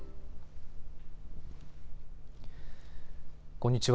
こんにちは。